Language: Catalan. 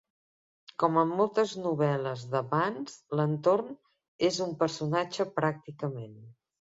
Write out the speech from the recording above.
Com en moltes novel·les de Vance, l'entorn és un personatge pràcticament.